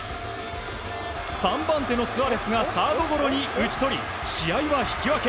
３番手のスアレスがサードゴロに打ち取り試合は引き分け。